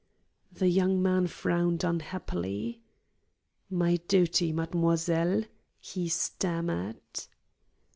The young man frowned unhappily. "My duty, mademoiselle!" he stammered.